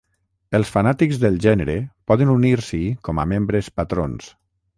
Els fanàtics del gènere poden unir-s'hi com a membres patrons.